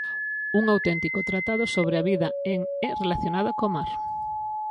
Un auténtico tratado sobre a vida en e relacionada co mar.